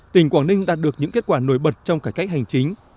tỉnh quảng ninh đạt được những kết quả nổi bật trong cải cách hành chính